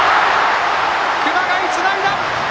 熊谷、つないだ！